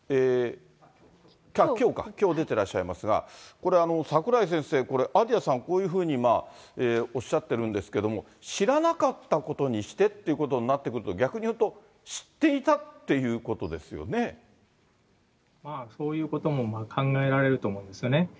きょうか、きょう出てらっしゃいますが、櫻井先生、有田さん、こういうふうにおっしゃってるんですけれども、知らなかったことにしてってことになってくると、逆に言うと、知まあ、そういうことも考えられると思うんですよね。